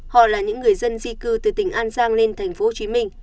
họ là những người dân di cư từ tỉnh an giang lên tp hcm